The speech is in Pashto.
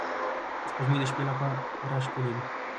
سپوږمۍ د شپې له خوا خورا ښکلی وي